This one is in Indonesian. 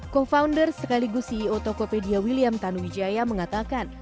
co founder sekaligus ceo tokopedia william tanuwijaya mengatakan